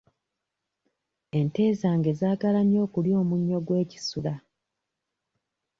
Ente zange zaagala nnyo okulya omunnyo gw'ekisula.